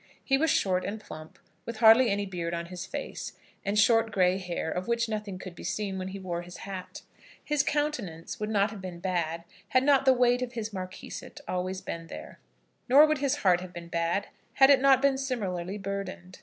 He was short and plump, with hardly any beard on his face, and short grey hair, of which nothing could be seen when he wore his hat. His countenance would not have been bad, had not the weight of his marquisate always been there; nor would his heart have been bad, had it not been similarly burdened.